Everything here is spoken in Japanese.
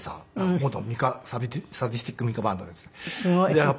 元サディスティック・ミカ・バンドです。